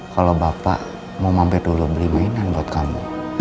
kalau bapak mau mampir dulu beli mainan buat kamu